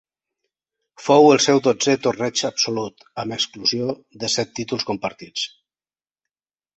Fou el seu dotzè torneig absolut, amb exclusió de set títols compartits.